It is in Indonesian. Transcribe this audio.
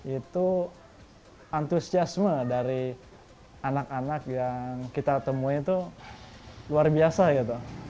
itu antusiasme dari anak anak yang kita temui itu luar biasa gitu